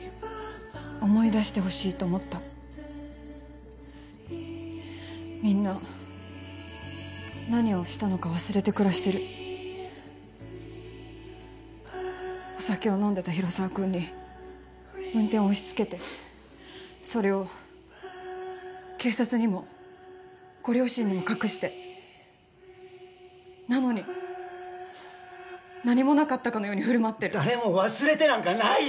思い出してほしいと思ったみんな何をしたのか忘れて暮らしてるお酒を飲んでた広沢君に運転を押しつけてそれを警察にもご両親にも隠してなのに何もなかったかのように振る舞ってる誰も忘れてなんかないよ！